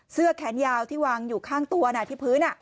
เสื้อแขนยาวที่วางอยู่ข้างตัวที่พื้น